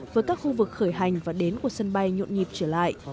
với các khu vực khởi hành và đến của sân bay nhộn nhịp trở lại